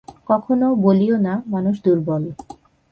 কখনও বলিও না, মানুষ দুর্বল।